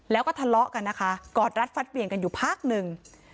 แล้วก็ทะเลาะกันนะคะกอดรัดฟัดเหวี่ยงกันอยู่พักหนึ่ง